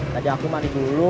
nanti aku mandi dulu